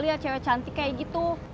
lihat cewek cantik kayak gitu